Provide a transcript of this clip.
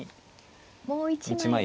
もう一枚。